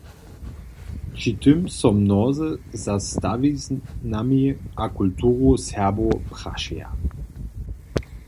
Při tym so mnozy za stawiznami a kulturu Serbow prašeja.